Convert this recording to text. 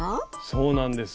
そうなんです。